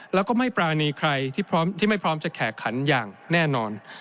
แล้วก็ไม่ปรานีใครที่พร้อมที่ไม่พร้อมจะแขกขันอย่างแน่นอน